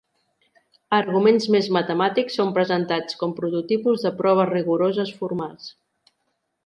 Arguments més matemàtics són presentats com prototipus de proves rigoroses formals.